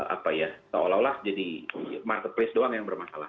apa ya seolah olah jadi marketplace doang yang bermasalah